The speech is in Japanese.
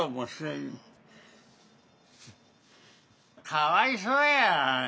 かわいそうやわ。